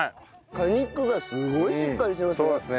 果肉がすごいしっかりしてますね。